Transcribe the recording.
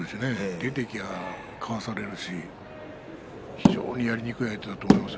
出ていればかわされるし非常にやりにくい相手だと思いますよ